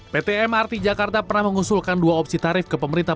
pt mrt jakarta pernah mengusulkan dua opsi tarif ke pemerintah